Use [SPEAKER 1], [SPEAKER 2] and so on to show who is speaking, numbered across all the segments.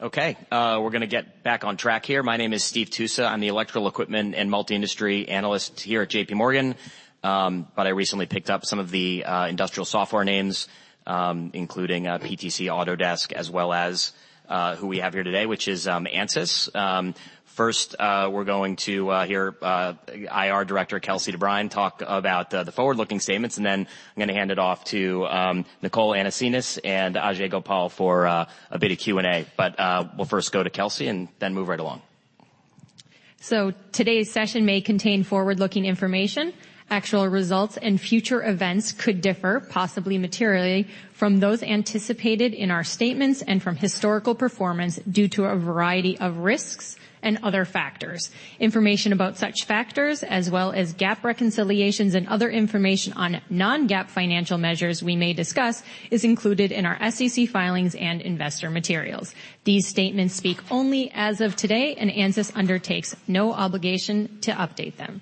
[SPEAKER 1] Okay. We're gonna get back on track here. My name is Steve Tusa. I'm the Electrical Equipment and Multi-Industry Analyst here at JPMorgan. I recently picked up some of the industrial software names, including PTC, Autodesk, as well as who we have here today, which is Ansys. First, we're going to hear IR Director Kelsey DeBriyn talk about the forward-looking statements, and then I'm gonna hand it off to Nicole Anasenes and Ajei Gopal for a bit of Q&A. We'll first go to Kelsey, and then move right along.
[SPEAKER 2] Today's session may contain forward-looking information. Actual results and future events could differ, possibly materially, from those anticipated in our statements and from historical performance due to a variety of risks and other factors. Information about such factors, as well as GAAP reconciliations and other information on non-GAAP financial measures we may discuss, is included in our SEC filings and investor materials. These statements speak only as of today, and Ansys undertakes no obligation to update them.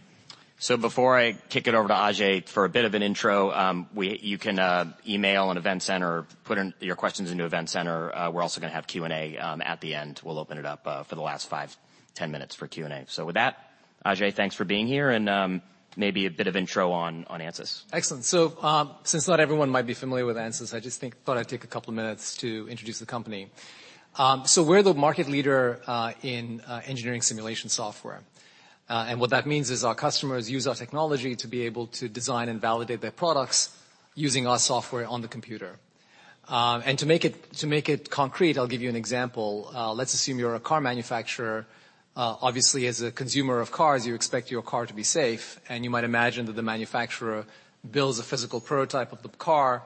[SPEAKER 1] Before I kick it over to Ajei for a bit of an intro, you can email an EventCenter, put in your questions into EventCenter. We're also gonna have Q&A at the end. We'll open it up for the last five, 10 minutes for Q&A. With that, Ajei, thanks for being here, and maybe a bit of intro on Ansys.
[SPEAKER 3] Excellent. Since not everyone might be familiar with Ansys, I thought I'd take a couple minutes to introduce the company. We're the market leader in engineering simulation software. What that means is our customers use our technology to be able to design and validate their products using our software on the computer. To make it concrete, I'll give you an example. Let's assume you're a car manufacturer. Obviously as a consumer of cars, you expect your car to be safe, and you might imagine that the manufacturer builds a physical prototype of the car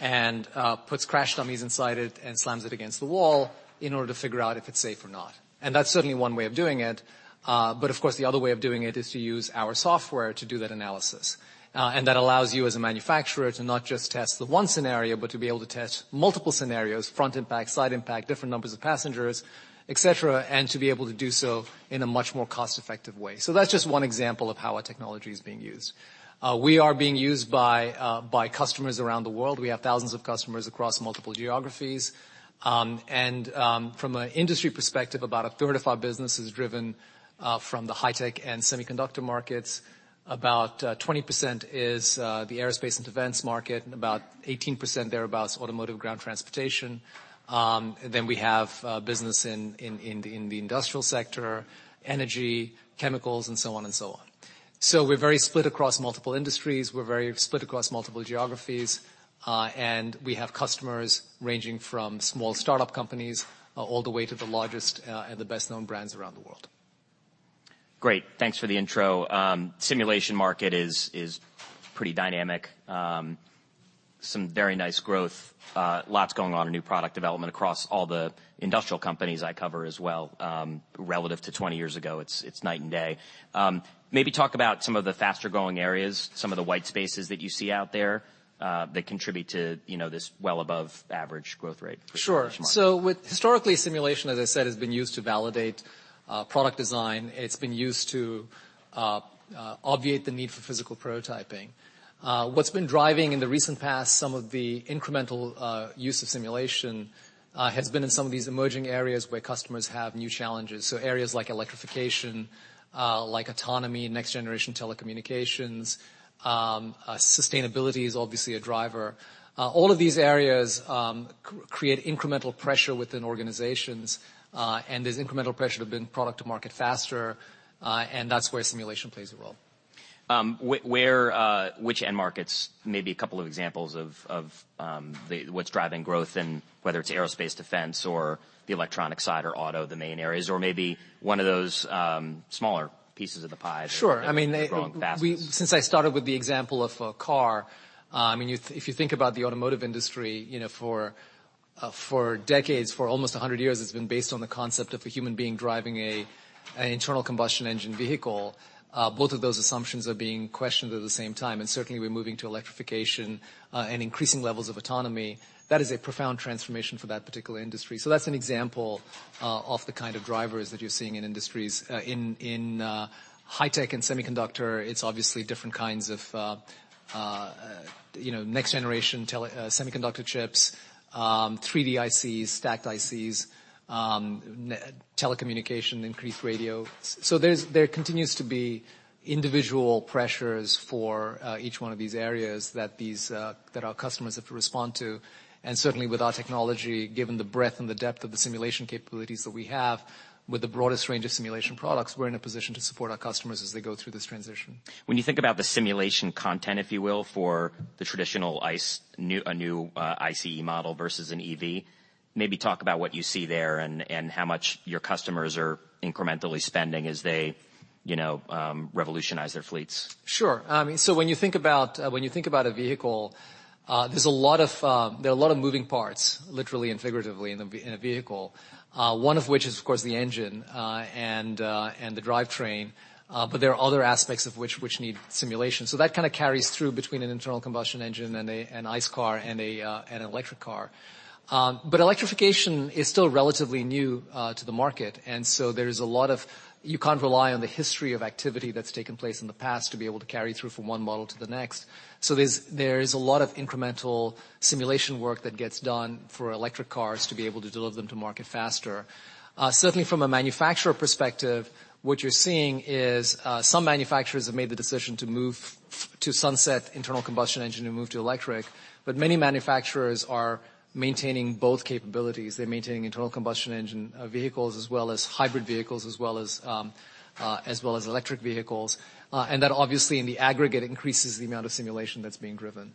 [SPEAKER 3] and puts crash dummies inside it and slams it against the wall in order to figure out if it's safe or not. That's certainly one way of doing it. Of course, the other way of doing it is to use our software to do that analysis. That allows you as a manufacturer to not just test the one scenario, but to be able to test multiple scenarios, front impact, side impact, different numbers of passengers, et cetera, and to be able to do so in a much more cost-effective way. That's just one example of how our technology is being used. We are being used by customers around the world. We have thousands of customers across multiple geographies. From an industry perspective, about a third of our business is driven from the high-tech and semiconductor markets. About 20% is the aerospace and defense market, about 18% thereabouts, automotive ground transportation. We have business in the industrial sector, energy, chemicals, and so on and so on. We're very split across multiple industries. We're very split across multiple geographies. We have customers ranging from small startup companies, all the way to the largest, and the best-known brands around the world.
[SPEAKER 1] Great. Thanks for the intro. Simulation market is pretty dynamic. Some very nice growth. Lots going on in new product development across all the industrial companies I cover as well. Relative to 20 years ago, it's night and day. Maybe talk about some of the faster-growing areas, some of the white spaces that you see out there, that contribute to, you know, this well above average growth rate for the simulation market.
[SPEAKER 3] Sure. Historically, simulation, as I said, has been used to validate product design. It's been used to obviate the need for physical prototyping. What's been driving in the recent past some of the incremental use of simulation has been in some of these emerging areas where customers have new challenges. Areas like electrification, like autonomy, next generation telecommunications, sustainability is obviously a driver. All of these areas create incremental pressure within organizations, and there's incremental pressure to bring product to market faster, and that's where simulation plays a role.
[SPEAKER 1] Where, which end markets, maybe a couple of examples of what's driving growth and whether it's aerospace defense or the electronic side or auto, the main areas, or maybe one of those, smaller pieces of the pie that are growing fastest?
[SPEAKER 3] Sure. I mean, since I started with the example of a car, if you think about the automotive industry, you know, for decades, for almost 100 years, it's been based on the concept of a human being driving an internal combustion engine vehicle. Both of those assumptions are being questioned at the same time. Certainly, we're moving to electrification and increasing levels of autonomy. That is a profound transformation for that particular industry. That's an example of the kind of drivers that you're seeing in industries. In high-tech and semiconductor, it's obviously different kinds of, you know, next generation semiconductor chips, 3D-ICs, stacked ICs, telecommunication, increased radio. There continues to be individual pressures for each one of these areas that these that our customers have to respond to. Certainly, with our technology, given the breadth and the depth of the simulation capabilities that we have, with the broadest range of simulation products, we're in a position to support our customers as they go through this transition.
[SPEAKER 1] When you think about the simulation content, if you will, for the traditional ICE, a new ICE model versus an EV, maybe talk about what you see there and how much your customers are incrementally spending as they, you know, revolutionize their fleets?
[SPEAKER 3] Sure. When you think about, when you think about a vehicle, there are a lot of moving parts, literally and figuratively in a vehicle. One of which is, of course, the engine, and the drivetrain, but there are other aspects of which need simulation. That kind of carries through between an internal combustion engine and an ICE car and an electric car. Electrification is still relatively new to the market. There is a lot of. You can't rely on the history of activity that's taken place in the past to be able to carry through from one model to the next. There is a lot of incremental simulation work that gets done for electric cars to be able to deliver them to market faster. Certainly from a manufacturer perspective, what you're seeing is some manufacturers have made the decision to move to sunset internal combustion engine and move to electric. Many manufacturers are maintaining both capabilities. They're maintaining internal combustion engine vehicles as well as hybrid vehicles, as well as electric vehicles. That obviously in the aggregate increases the amount of simulation that's being driven.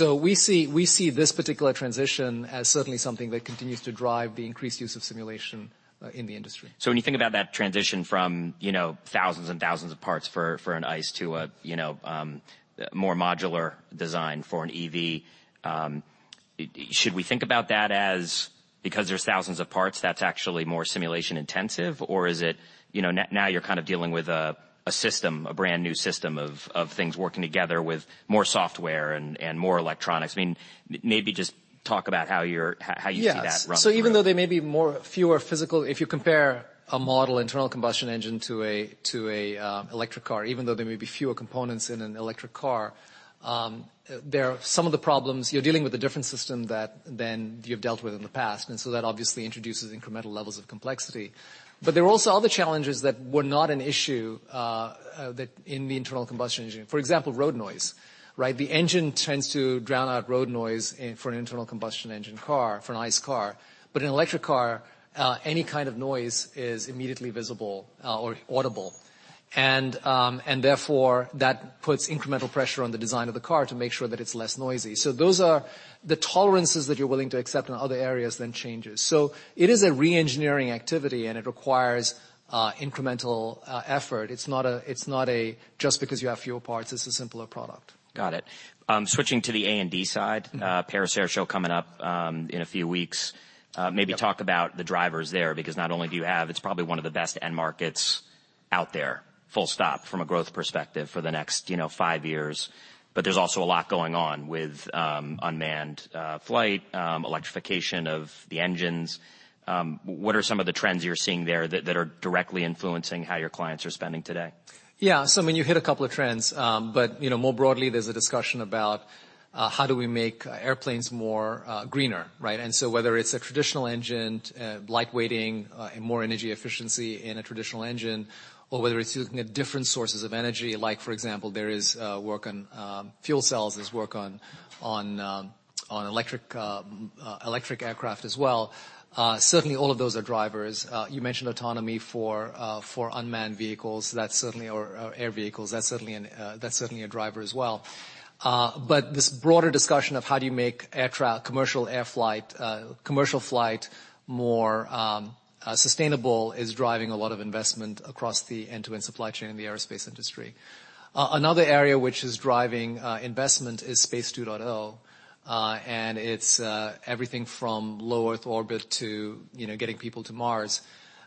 [SPEAKER 3] We see this particular transition as certainly something that continues to drive the increased use of simulation in the industry.
[SPEAKER 1] When you think about that transition from, you know, thousands and thousands of parts for an ICE to a, you know, more modular design for an EV, should we think about that as because there's thousands of parts that's actually more simulation intensive? Or is it, you know, now you're kind of dealing with a system, a brand-new system of things working together with more software and more electronics. I mean, maybe just talk about how you're, how you see that?
[SPEAKER 3] Yes. Even though they may be more, fewer physical, if you compare a model internal combustion engine to a electric car, even though there may be fewer components in an electric car, there are some of the problems. You're dealing with a different system than you've dealt with in the past, and so that obviously introduces incremental levels of complexity. There are also other challenges that were not an issue, that in the internal combustion engine, for example, road noise, right? The engine tends to drown out road noise for an internal combustion engine car, for an ICE car. An electric car, any kind of noise is immediately visible or audible. Therefore, that puts incremental pressure on the design of the car to make sure that it's less noisy. Those are the tolerances that you're willing to accept in other areas then changes. It is a reengineering activity, and it requires, incremental, effort. It's not a, just because you have fewer parts, it's a simpler product.
[SPEAKER 1] Got it. Switching to the A&D side. Paris Air Show coming up, in a few weeks. Maybe talk about the drivers there, because not only do you have, it's probably one of the best end markets out there, full stop, from a growth perspective for the next, you know, five years. There's also a lot going on with unmanned flight, electrification of the engines. What are some of the trends you're seeing there that are directly influencing how your clients are spending today?
[SPEAKER 3] Yeah. I mean, you hit a couple of trends. You know, more broadly, there's a discussion about how do we make airplanes more greener, right? Whether it's a traditional engine, light weighting, and more energy efficiency in a traditional engine, or whether it's looking at different sources of energy, like, for example, there is work on fuel cells, there's work on electric aircraft as well. Certainly all of those are drivers. You mentioned autonomy for unmanned vehicles. That's certainly or air vehicles. That's certainly a driver as well. This broader discussion of how do you make commercial flight more sustainable is driving a lot of investment across the end-to-end supply chain in the aerospace industry. Another area which is driving investment is Space 2.0, and it's everything from low Earth orbit to, you know, getting people to Mars.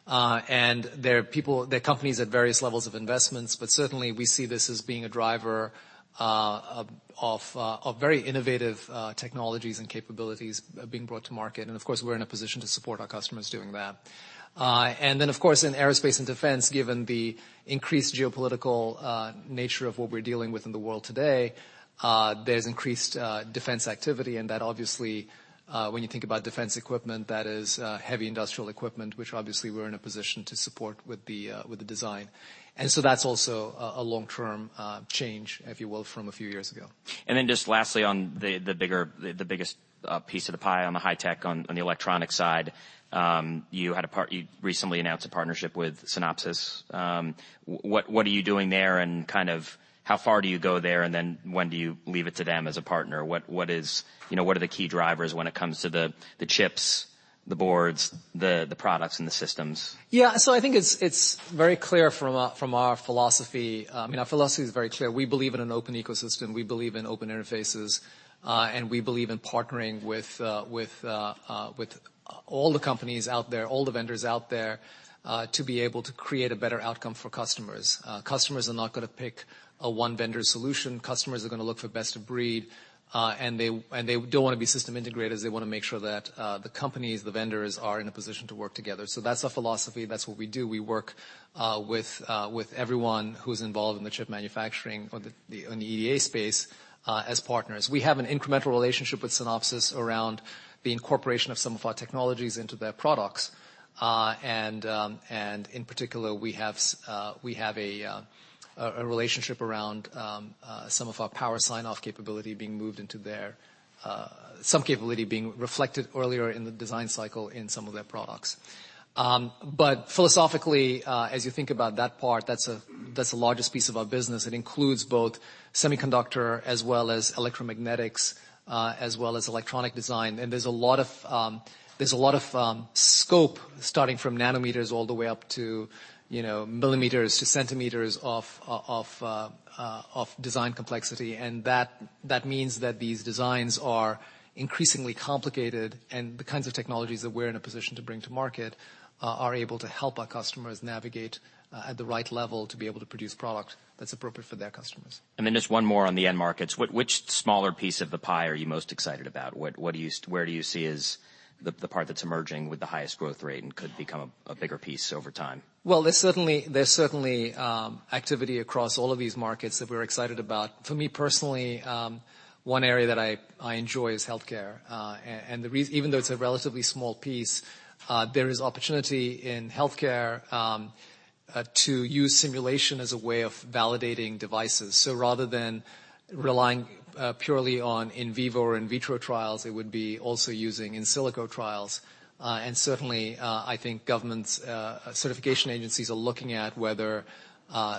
[SPEAKER 3] There are people, there are companies at various levels of investments, but certainly we see this as being a driver of very innovative technologies and capabilities being brought to market, and of course, we're in a position to support our customers doing that. Then, of course, in aerospace and defense, given the increased geopolitical nature of what we're dealing with in the world today, there's increased defense activity, and that obviously, when you think about defense equipment, that is heavy industrial equipment, which obviously we're in a position to support with the design. That's also a long-term change, if you will, from a few years ago.
[SPEAKER 1] Just lastly on the biggest piece of the pie on the high-tech on the electronic side. You recently announced a partnership with Synopsys. What are you doing there and kind of how far do you go there, when do you leave it to them as a partner? You know, what are the key drivers when it comes to the chips, the boards, the products and the systems?
[SPEAKER 3] I think it's very clear from our, from our philosophy. I mean, our philosophy is very clear. We believe in an open ecosystem, we believe in open interfaces, and we believe in partnering with all the companies out there, all the vendors out there, to be able to create a better outcome for customers. Customers are not gonna pick a one-vendor solution. Customers are gonna look for best of breed, and they don't wanna be system integrators. They wanna make sure that the companies, the vendors are in a position to work together. That's our philosophy. That's what we do. We work with everyone who's involved in the chip manufacturing or in the EDA space as partners. We have an incremental relationship with Synopsys around the incorporation of some of our technologies into their products. In particular, we have a relationship around some of our power sign-off capability being moved into their, some capability being reflected earlier in the design cycle in some of their products. Philosophically, as you think about that part, that's the largest piece of our business. It includes both semiconductor as well as electromagnetics, as well as electronic design. There's a lot of scope starting from nanometers all the way up to, you know, millimeters to centimeters of design complexity. That means that these designs are increasingly complicated, and the kinds of technologies that we're in a position to bring to market, are able to help our customers navigate, at the right level to be able to produce product that's appropriate for their customers.
[SPEAKER 1] Just one more on the end markets. Which smaller piece of the pie are you most excited about? Where do you see as the part that's emerging with the highest growth rate and could become a bigger piece over time?
[SPEAKER 3] There's certainly activity across all of these markets that we're excited about. For me, personally, one area that I enjoy is healthcare. Even though it's a relatively small piece, there is opportunity in healthcare to use simulation as a way of validating devices. Rather than relying purely on in vivo or in vitro trials, it would be also using in silico trials. Certainly, I think governments, certification agencies are looking at whether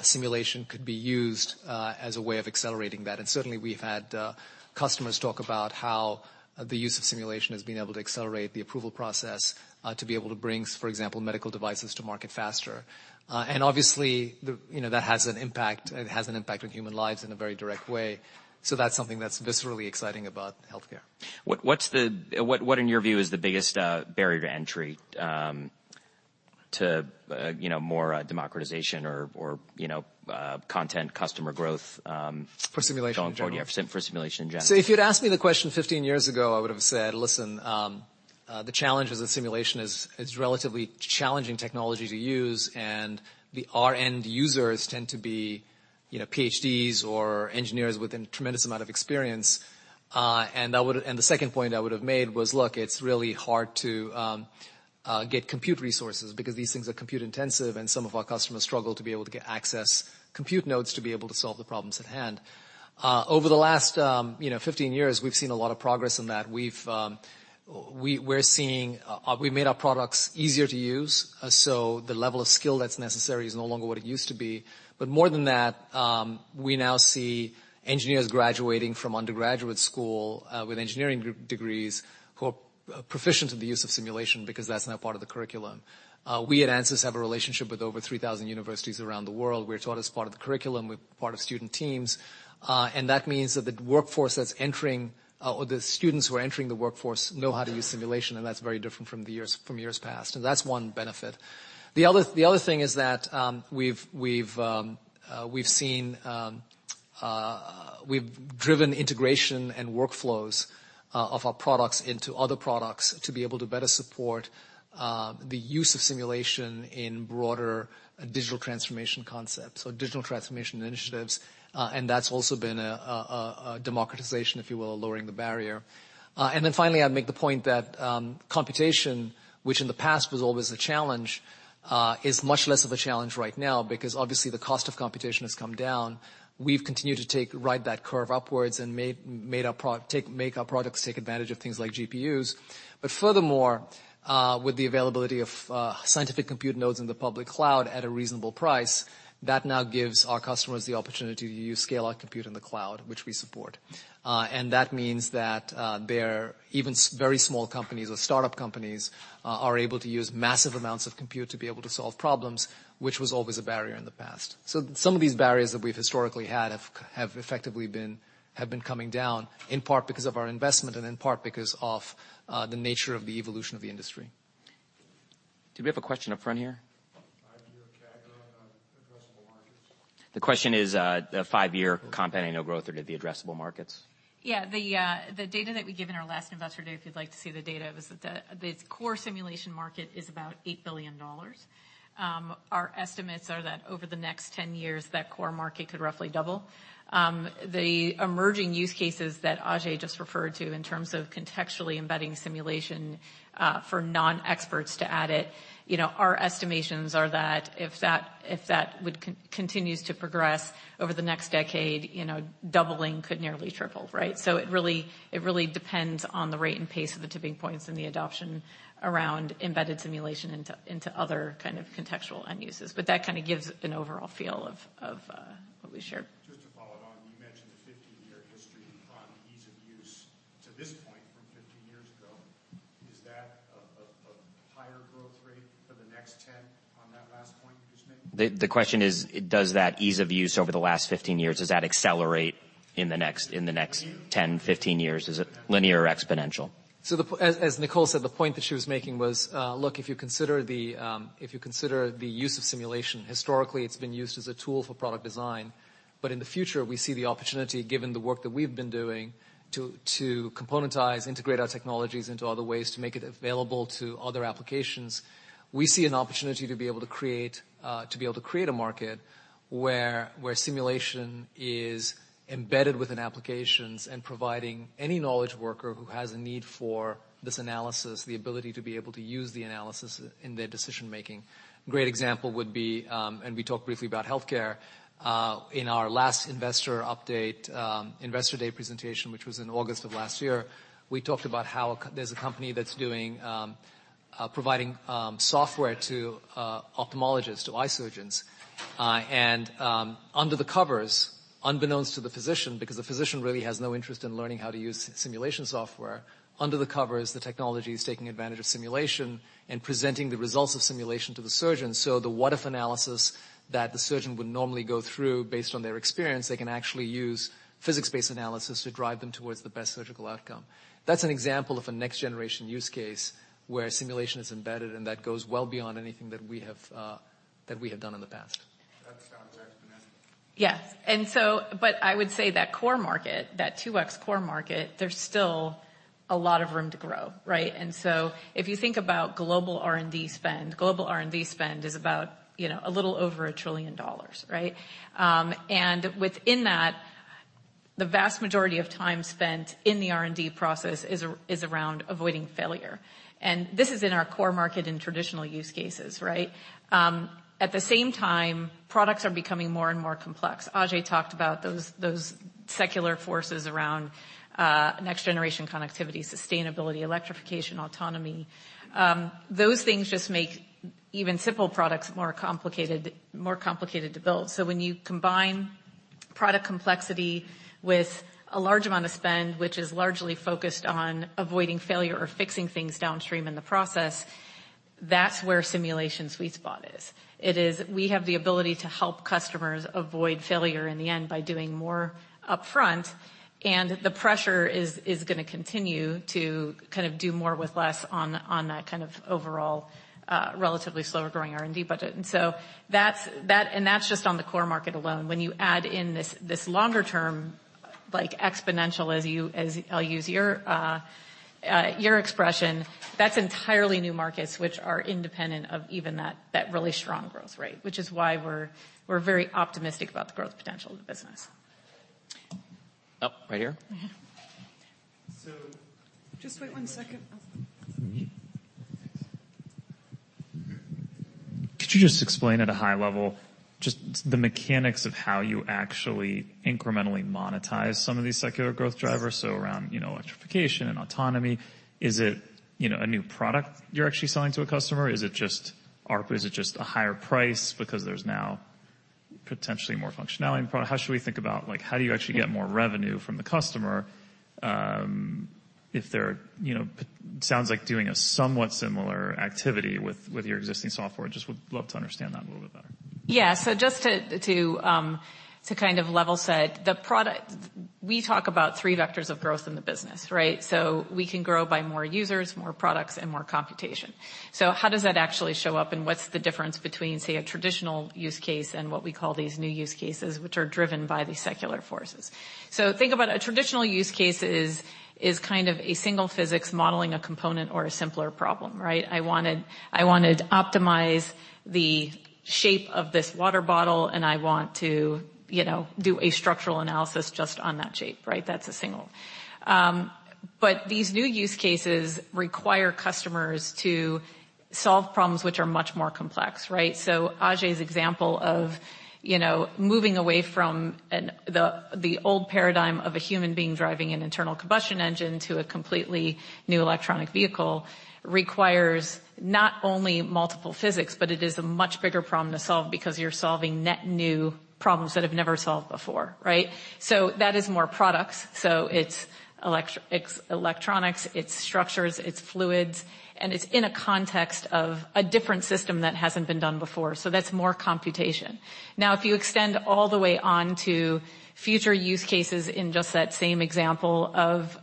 [SPEAKER 3] simulation could be used as a way of accelerating that. Certainly, we've had customers talk about how the use of simulation has been able to accelerate the approval process to be able to bring, for example, medical devices to market faster. Obviously, you know, that has an impact. It has an impact on human lives in a very direct way. That's something that's viscerally exciting about healthcare.
[SPEAKER 1] What in your view is the biggest barrier to entry, to, you know, more democratization or, you know, content customer growth?
[SPEAKER 3] For simulation in general?
[SPEAKER 1] Going forward, yeah. For simulation in general.
[SPEAKER 3] If you'd asked me the question 15 years ago, I would have said, "Listen, the challenge with the simulation is it's relatively challenging technology to use, and our end users tend to be, you know, PhDs or engineers with a tremendous amount of experience." The second point I would have made was, "Look, it's really hard to get compute resources because these things are compute intensive, and some of our customers struggle to be able to get access compute nodes to be able to solve the problems at hand." The last, you know, 15 years, we've seen a lot of progress in that. We've, we're seeing, we've made our products easier to use, so the level of skill that's necessary is no longer what it used to be. More than that, we now see engineers graduating from undergraduate school with engineering group degrees who are proficient in the use of simulation because that's now part of the curriculum. We at Ansys have a relationship with over 3,000 universities around the world. We're taught as part of the curriculum. We're part of student teams. That means that the workforce that's entering or the students who are entering the workforce know how to use simulation, and that's very different from years past. That's one benefit. The other thing is that we've seen, we've driven integration and workflows of our products into other products to be able to better support the use of simulation in broader digital transformation concepts or digital transformation initiatives. That's also been a democratization, if you will, of lowering the barrier. Finally, I'd make the point that computation, which in the past was always a challenge, is much less of a challenge right now because obviously the cost of computation has come down. We've continued to ride that curve upwards and made our products take advantage of things like GPUs. Furthermore, with the availability of scientific compute nodes in the public cloud at a reasonable price, that now gives our customers the opportunity to use scale-out compute in the cloud, which we support. That means that, even very small companies or startup companies, are able to use massive amounts of compute to be able to solve problems, which was always a barrier in the past. Some of these barriers that we've historically had effectively been coming down, in part because of our investment and in part because of, the nature of the evolution of the industry.
[SPEAKER 1] Do we have a question up front here? The question is, the five-year compounding annual growth rate of the addressable markets.
[SPEAKER 4] The data that we gave in our last investor day, if you'd like to see the data, was that the core simulation market is about $8 billion. Our estimates are that over the next 10 years, that core market could roughly double. The emerging use cases that Ajei just referred to in terms of contextually embedding simulation for non-experts to add it, you know, our estimations are that if that continues to progress over the next decade, you know, doubling could nearly triple, right? It really depends on the rate and pace of the tipping points and the adoption around embedded simulation into other kind of contextual end uses. That kind of gives an overall feel of what we shared.
[SPEAKER 5] Just to follow on, you mentioned the 15-year history on ease of use to this point from 15 years ago. Is that a higher growth rate for the next 10 on that?
[SPEAKER 1] The question is, does that ease of use over the last 15 years, does that accelerate in the next 10, 15 years? Is it linear or exponential?
[SPEAKER 3] As Nicole said, the point that she was making was, look, if you consider the use of simulation, historically, it's been used as a tool for product design. In the future, we see the opportunity, given the work that we've been doing, to componentize, integrate our technologies into other ways to make it available to other applications. We see an opportunity to be able to create, to be able to create a market where simulation is embedded within applications and providing any knowledge worker who has a need for this analysis, the ability to be able to use the analysis in their decision-making. Great example would be, we talked briefly about healthcare in our last investor update, investor day presentation, which was in August of last year. We talked about how there's a company that's doing providing software to ophthalmologists, to eye surgeons. Under the covers, unbeknownst to the physician, because the physician really has no interest in learning how to use simulation software, under the covers, the technology is taking advantage of simulation and presenting the results of simulation to the surgeon. The what-if analysis that the surgeon would normally go through based on their experience, they can actually use physics-based analysis to drive them towards the best surgical outcome. That's an example of a next-generation use case where simulation is embedded, that goes well beyond anything that we have that we have done in the past.
[SPEAKER 4] Yes. I would say that core market, that 2x core market, there's still a lot of room to grow, right? If you think about global R&D spend, global R&D spend is about a little over $1 trillion, right? Within that, the vast majority of time spent in the R&D process is around avoiding failure. This is in our core market in traditional use cases, right? At the same time, products are becoming more and more complex. Ajei talked about those secular forces around next generation connectivity, sustainability, electrification, autonomy. Those things just make even simple products more complicated to build. When you combine product complexity with a large amount of spend, which is largely focused on avoiding failure or fixing things downstream in the process, that's where simulation sweet spot is. It is we have the ability to help customers avoid failure in the end by doing more upfront. The pressure is gonna continue to kind of do more with less on that kind of overall, relatively slower-growing R&D budget. That's just on the core market alone. When you add in this longer-term, like, exponential, as I'll use your expression, that's entirely new markets which are independent of even that really strong growth rate, which is why we're very optimistic about the growth potential of the business.
[SPEAKER 1] Oh, right here.
[SPEAKER 4] Just wait one second.
[SPEAKER 5] Could you just explain at a high level just the mechanics of how you actually incrementally monetize some of these secular growth drivers? Around, you know, electrification and autonomy, is it, you know, a new product you're actually selling to a customer? Is it just ARP? Is it just a higher price because there's now potentially more functionality in product? How should we think about, like, how do you actually get more revenue from the customer, if they're, you know, sounds like doing a somewhat similar activity with your existing software? Just would love to understand that a little bit better.
[SPEAKER 4] Yeah. Just to kind of level set the product, we talk about three vectors of growth in the business, right? We can grow by more users, more products, and more computation. How does that actually show up, and what's the difference between, say, a traditional use case and what we call these new use cases, which are driven by these secular forces? Think about a traditional use case is kind of a single physics modeling a component or a simpler problem, right? I wanna optimize the shape of this water bottle, and I want to, you know, do a structural analysis just on that shape, right? That's a single. These new use cases require customers to solve problems which are much more complex, right? Ajei's example of, you know, moving away from the old paradigm of a human being driving an internal combustion engine to a completely new electronic vehicle requires not only multiple physics, but it is a much bigger problem to solve because you're solving net new problems that have never solved before, right? That is more products. It's electronics, it's structures, it's fluids, and it's in a context of a different system that hasn't been done before. That's more computation. Now, if you extend all the way on to future use cases in just that same example of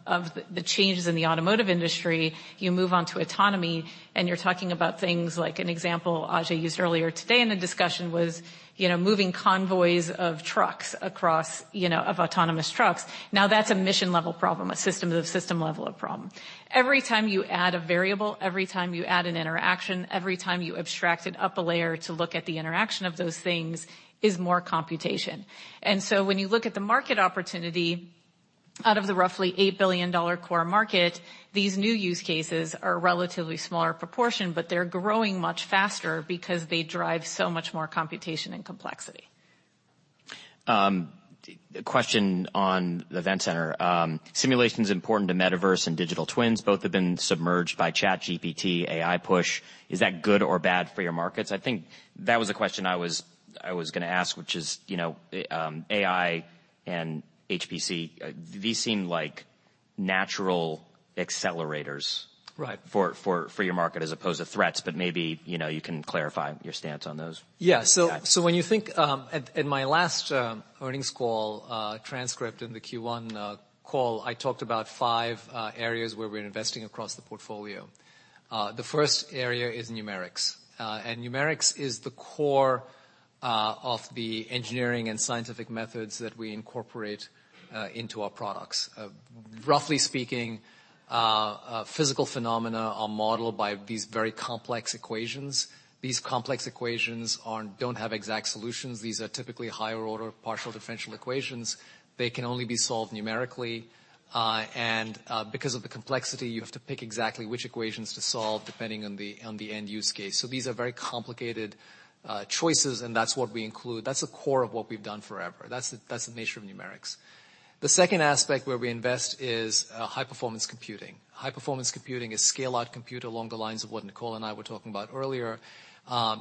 [SPEAKER 4] the changes in the automotive industry, you move on to autonomy, and you're talking about things like an example Ajei used earlier today in the discussion was, you know, moving convoys of trucks across, you know, of autonomous trucks. That's a mission-level problem, a system of system-level of problem. Every time you add a variable, every time you add an interaction, every time you abstract it up a layer to look at the interaction of those things is more computation. When you look at the market opportunity, out of the roughly $8 billion core market, these new use cases are a relatively smaller proportion, but they're growing much faster because they drive so much more computation and complexity.
[SPEAKER 1] A question on the EventCenter. Simulation's important to metaverse and digital twins. Both have been submerged by ChatGPT, AI push. Is that good or bad for your markets? I think that was a question I was gonna ask, which is, AI and HPC, these seem like natural accelerators for your market as opposed to threats, but maybe, you know, you can clarify your stance on those?
[SPEAKER 3] Yeah. When you think in my last earnings call transcript in the Q1 call, I talked about five areas where we're investing across the portfolio. The first area is numerics. Numerics is the core of the engineering and scientific methods that we incorporate into our products. Roughly speaking, physical phenomena are modeled by these very complex equations. These complex equations don't have exact solutions. These are typically higher order partial differential equations. They can only be solved numerically. Because of the complexity, you have to pick exactly which equations to solve depending on the end-use case. These are very complicated choices, and that's what we include. That's the core of what we've done forever. That's the nature of numerics. The second aspect where we invest is high-performance computing. High-performance computing is scale-out compute along the lines of what Nicole and I were talking about earlier.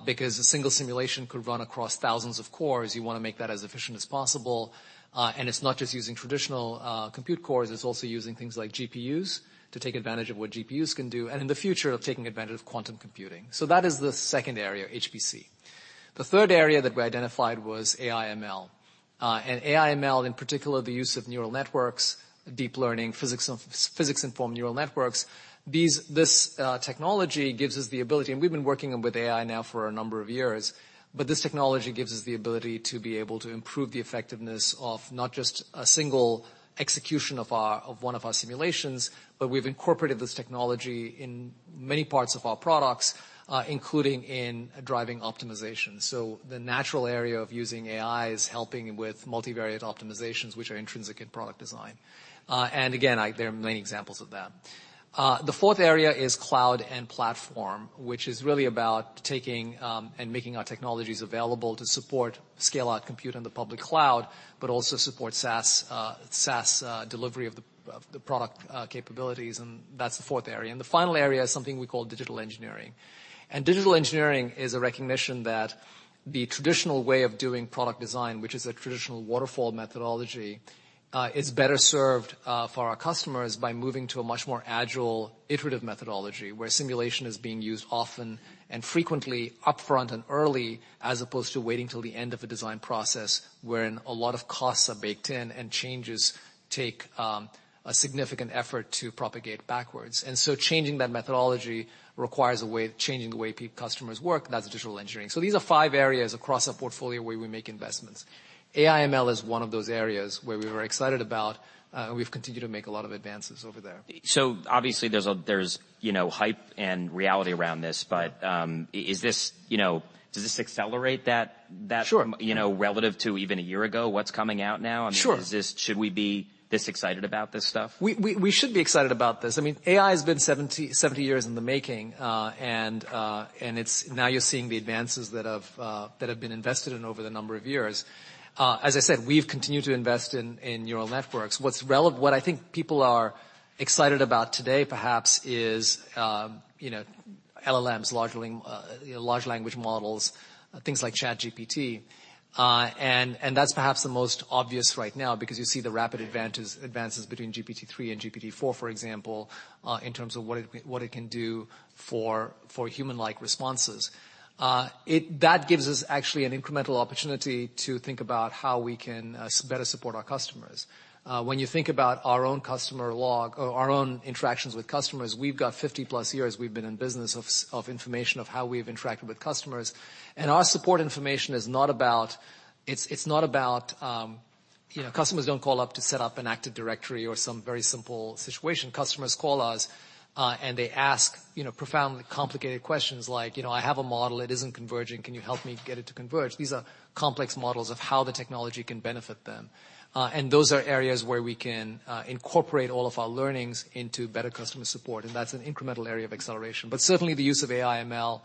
[SPEAKER 3] Because a single simulation could run across thousands of cores. You wanna make that as efficient as possible. And it's not just using traditional compute cores, it's also using things like GPUs to take advantage of what GPUs can do, and in the future, taking advantage of quantum computing. That is the second area, HPC. The third area that we identified was AI/ML. AI/ML, in particular, the use of neural networks, deep learning, physics-informed neural networks. This technology gives us the ability. We've been working with AI now for a number of years, but this technology gives us the ability to be able to improve the effectiveness of not just a single execution of our, of one of our simulations, but we've incorporated this technology in many parts of our products, including in driving optimization. The natural area of using AI is helping with multivariate optimizations, which are intrinsic in product design. Again, there are many examples of that. The fourth area is cloud and platform, which is really about taking and making our technologies available to support scale-out compute on the public cloud, but also support SaaS delivery of the product capabilities, and that's the fourth area. The final area is something we call digital engineering. Digital engineering is a recognition that the traditional way of doing product design, which is a traditional waterfall methodology, is better served for our customers by moving to a much more agile iterative methodology, where simulation is being used often and frequently upfront and early, as opposed to waiting till the end of a design process, wherein a lot of costs are baked in and changes take a significant effort to propagate backwards. Changing that methodology requires changing the way customers work, that's digital engineering. These are five areas across our portfolio where we make investments. AI/ML is one of those areas where we were excited about, and we've continued to make a lot of advances over there.
[SPEAKER 1] So obviously there's, you know, hype and reality around this, but, is this, you know, does this accelerate that?
[SPEAKER 3] Sure.
[SPEAKER 1] You know, relative to even a year ago, what's coming out now?
[SPEAKER 3] Sure.
[SPEAKER 1] I mean, should we be this excited about this stuff?
[SPEAKER 3] We should be excited about this. I mean, AI has been 70 years in the making, and now you're seeing the advances that have been invested in over the number of years. As I said, we've continued to invest in neural networks. What I think people are excited about today perhaps is, you know, LLMs, large language models, things like ChatGPT. And that's perhaps the most obvious right now because you see the rapid advances between GPT-3 and GPT-4, for example, in terms of what it can do for human-like responses. That gives us actually an incremental opportunity to think about how we can better support our customers. When you think about our own customer log or our own interactions with customers, we've got 50+ years we've been in business of information of how we've interacted with customers. Our support information is not about, it's not about, you know, customers don't call up to set up an Active Directory or some very simple situation. Customers call us, and they ask, you know, profoundly complicated questions like, "You know, I have a model, it isn't converging. Can you help me get it to converge?" These are complex models of how the technology can benefit them. Those are areas where we can, incorporate all of our learnings into better customer support, and that's an incremental area of acceleration. Certainly, the use of AI/ML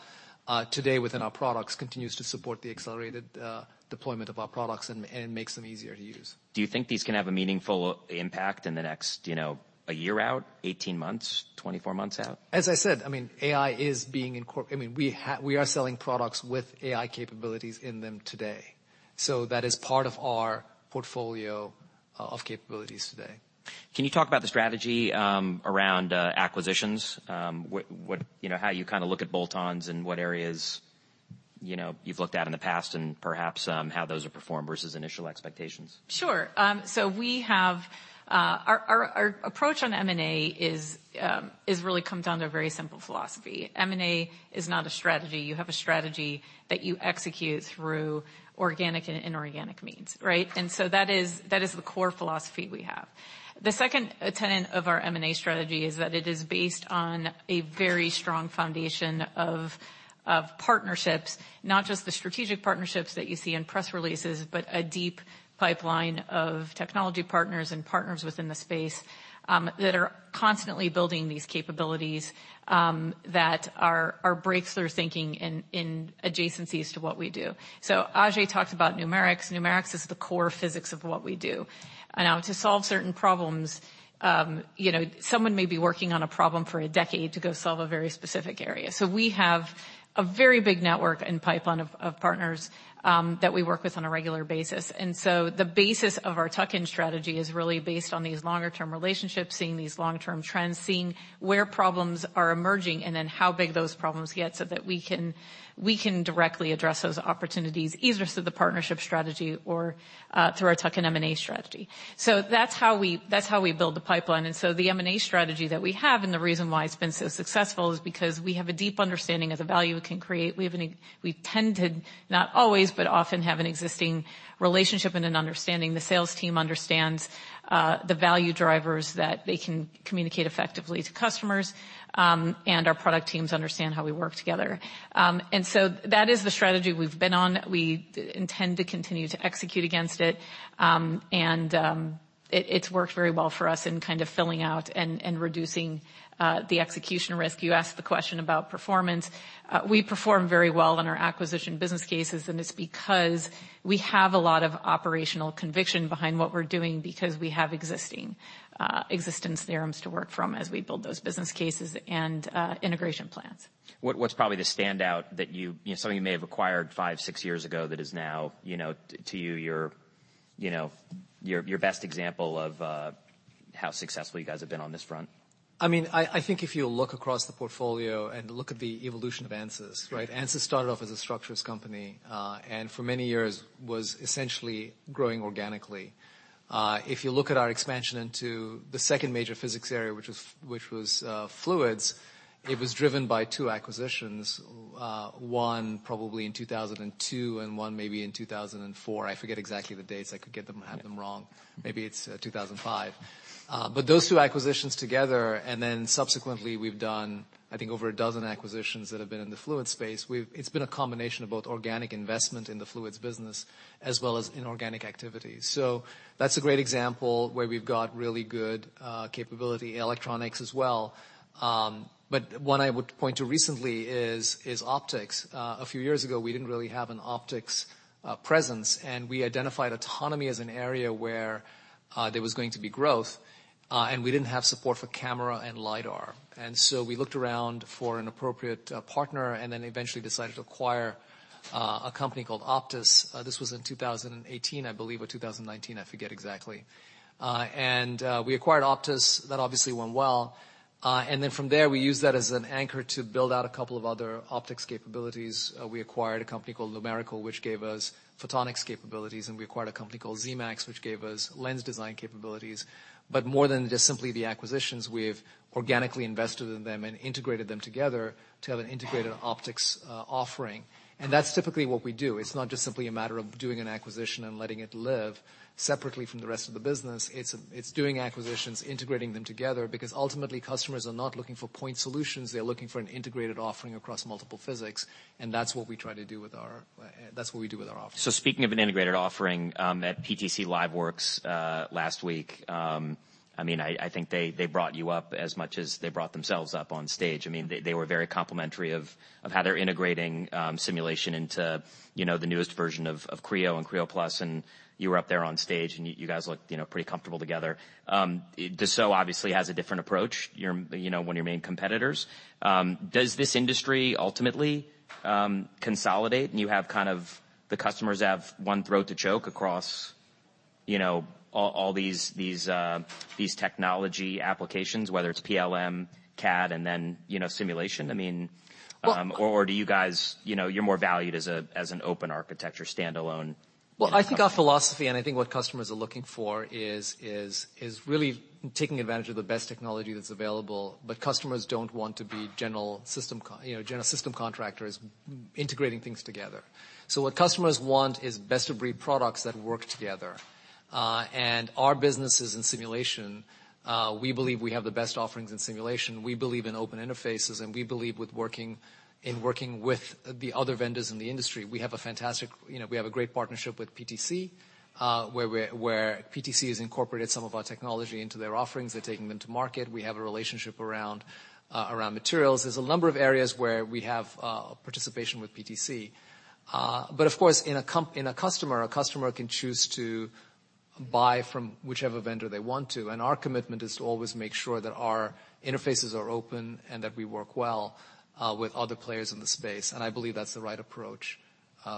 [SPEAKER 3] today within our products continues to support the accelerated deployment of our products and makes them easier to use.
[SPEAKER 1] Do you think these can have a meaningful impact in the next, you know, a year out, 18 months, 24 months out?
[SPEAKER 3] As I said, I mean, we are selling products with AI capabilities in them today. That is part of our portfolio of capabilities today.
[SPEAKER 1] Can you talk about the strategy, around acquisitions? What, you know, how you kinda look at bolt-ons and what areas, you know, you've looked at in the past and perhaps, how those have performed versus initial expectations?
[SPEAKER 4] Sure. So we have our approach on M&A is really comes down to a very simple philosophy. M&A is not a strategy. You have a strategy that you execute through organic and inorganic means, right? That is the core philosophy we have. The second tenet of our M&A strategy is that it is based on a very strong foundation of partnerships, not just the strategic partnerships that you see in press releases, but a deep pipeline of technology partners and partners within the space that are constantly building these capabilities that are breakthrough thinking in adjacencies to what we do. Ajay talked about numerics. Numerics is the core physics of what we do. Now to solve certain problems, you know, someone may be working on a problem for a decade to go solve a very specific area. We have a very big network and pipeline of partners that we work with on a regular basis. The basis of our tuck-in strategy is really based on these longer term relationships, seeing these long-term trends, seeing where problems are emerging, and then how big those problems get, so that we can directly address those opportunities, either through the partnership strategy or through our tuck-in M&A strategy. That's how we build the pipeline. The M&A strategy that we have, and the reason why it's been so successful is because we have a deep understanding of the value we can create. We tend to, not always, but often have an existing relationship and an understanding. The sales team understands the value drivers that they can communicate effectively to customers, and our product teams understand how we work together. That is the strategy we've been on. We intend to continue to execute against it. It's worked very well for us in kind of filling out and reducing the execution risk. You asked the question about performance. We perform very well on our acquisition business cases, and it's because we have a lot of operational conviction behind what we're doing because we have existing existence theorems to work from as we build those business cases and integration plans.
[SPEAKER 1] What's probably the standout that you know, something you may have acquired five, six years ago that is now, you know, to you, your, you know, your best example of how successful you guys have been on this front?
[SPEAKER 3] I mean, I think if you look across the portfolio and look at the evolution of Ansys, right? Ansys started off as a structures company, and for many years was essentially growing organically. If you look at our expansion into the second major physics area, which was fluids, it was driven by two acquisitions. One probably in 2002 and one maybe in 2004. I forget exactly the dates. I could have them wrong. Maybe it's 2005. Those two acquisitions together, and then subsequently, we've done, I think, over a dozen acquisitions that have been in the fluids space. It's been a combination of both organic investment in the fluids business as well as inorganic activity. That's a great example where we've got really good capability. Electronics as well. What I would point to recently is optics. A few years ago, we didn't really have an optics presence, and we identified autonomy as an area where there was going to be growth, and we didn't have support for camera and lidar. So we looked around for an appropriate partner, and then eventually decided to acquire a company called OPTIS. This was in 2018, I believe, or 2019. I forget exactly. We acquired OPTIS. That obviously went well. From there, we used that as an anchor to build out a couple of other optics capabilities. We acquired a company called Lumerical, which gave us photonics capabilities, and we acquired a company called Zemax, which gave us lens design capabilities. More than just simply the acquisitions, we've organically invested in them and integrated them together to have an integrated optics offering. That's typically what we do. It's not just simply a matter of doing an acquisition and letting it live separately from the rest of the business. It's doing acquisitions, integrating them together, because ultimately, customers are not looking for point solutions, they're looking for an integrated offering across multiple physics, and that's what we try to do with our offerings.
[SPEAKER 1] Speaking of an integrated offering, at PTC LiveWorx, last week, I mean, I think they brought you up as much as they brought themselves up on stage. I mean, they were very complimentary of how they're integrating, simulation into, you know, the newest version of Creo and Creo+, and you were up there on stage, and you guys looked, you know, pretty comfortable together. Dassault obviously has a different approach. You know, one of your main competitors. Does this industry ultimately, consolidate and you have kind of the customers have one throat to choke across, you know, all these technology applications, whether it's PLM, CAD, and then, you know, simulation? I mean, or do you guys, you know, you're more valued as a, as an open architecture standalone?
[SPEAKER 3] I think our philosophy and I think what customers are looking for is really taking advantage of the best technology that's available. Customers don't want to be general system you know, general system contractors integrating things together. What customers want is best-of-breed products that work together. Our businesses in simulation, we believe we have the best offerings in simulation. We believe in open interfaces, and we believe in working with the other vendors in the industry. You know, we have a great partnership with PTC, where PTC has incorporated some of our technology into their offerings. They're taking them to market. We have a relationship around materials. There's a number of areas where we have, participation with PTC. Of course in a customer, a customer can choose to buy from whichever vendor they want to, and our commitment is to always make sure that our interfaces are open and that we work well with other players in the space. I believe that's the right approach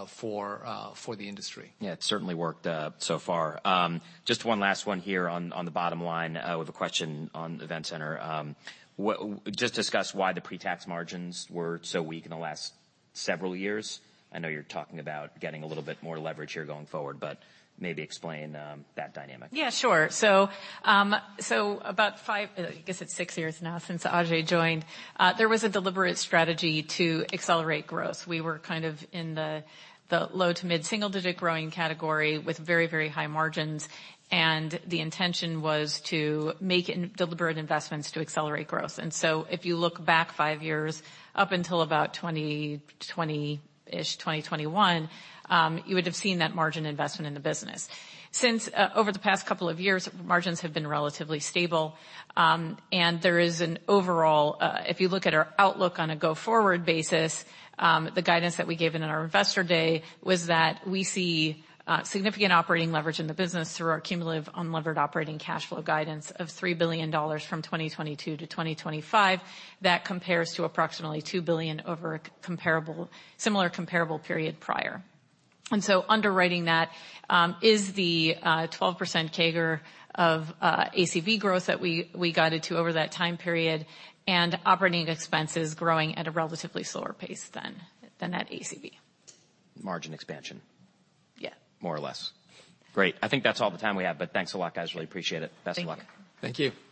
[SPEAKER 3] for the industry.
[SPEAKER 1] Yeah, it certainly worked, so far. Just one last one here on the bottom line. With a question on EventCenter, just discuss why the pre-tax margins were so weak in the last several years. I know you're talking about getting a little bit more leverage here going forward, but maybe explain that dynamic.
[SPEAKER 4] Yeah, sure. About five, I guess it's six years now since Ajei joined, there was a deliberate strategy to accelerate growth. We were kind of in the low to mid-single digit growing category with very, very high margins. The intention was to make deliberate investments to accelerate growth. If you look back five years, up until about 2020-ish, 2021, you would have seen that margin investment in the business. Since over the past couple of years, margins have been relatively stable, and there is an overall, if you look at our outlook on a go-forward basis, the guidance that we gave in our investor day was that we see significant operating leverage in the business through our cumulative unlevered operating cash flow guidance of $3 billion from 2022 to 2025. That compares to approximately $2 billion over a similar comparable period prior. Underwriting that is the 12% CAGR of ACV growth that we guided to over that time period, and operating expenses growing at a relatively slower pace than that ACV.
[SPEAKER 1] Margin expansion.
[SPEAKER 4] Yeah.
[SPEAKER 1] More or less. Great. I think that's all the time we have. Thanks a lot, guys. Really appreciate it. Best of luck.
[SPEAKER 4] Thank you.
[SPEAKER 3] Thank you.